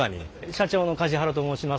社長の梶原と申します。